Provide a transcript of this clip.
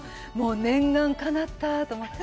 念願がかなったと思って。